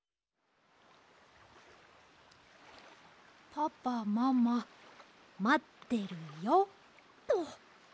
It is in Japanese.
「パパママまってるよ」と。